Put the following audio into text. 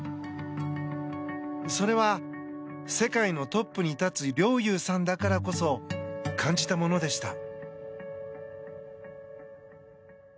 それは、世界のトップに立つ陵侑さんだからこそ感じたものでした。